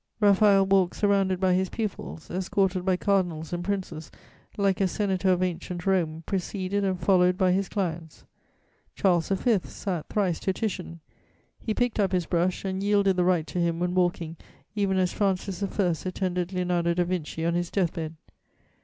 Raphael walked surrounded by his pupils, escorted by cardinals and princes, like a senator of Ancient Rome, preceded and followed by his clients. Charles V. sat thrice to Titian. He picked up his brush, and yielded the right to him when walking, even as Francis I. attended Leonardo da Vinci on his death bed.